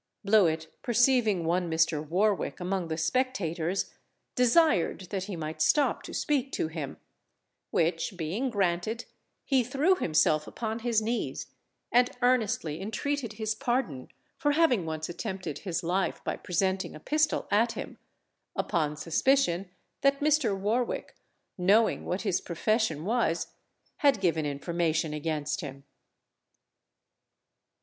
Blewit perceiving one Mr. Warwick among the spectators desired that he might stop to speak to him; which being granted, he threw himself upon his knees, and earnestly intreated his pardon for having once attempted his life by presenting a pistol at him, upon suspicion that Mr. Warwick knowing what his profession was had given information against him.